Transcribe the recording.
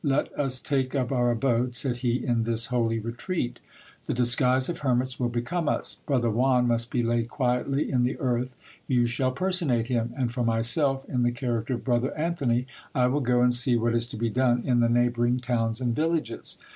Let us take up our abode, said he, in this holy retreat. The disguise of hermits will become us. Brother Juan must be laid quietly in the earth. You shall personate him ; and for myself, in the character of brother Anthony, I will go . and see what is to be done in the neighbouring towns and villages.